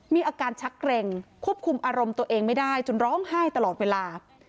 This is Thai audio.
มีอาการชักเกร็งควบคุมอารมณ์ตัวเองไม่ได้จนร้องไห้ตลอดเวลา